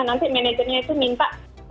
nanti manajernya itu minta